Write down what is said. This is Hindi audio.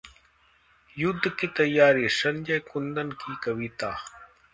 युद्ध की तैयारी: संजय कुंदन की कविता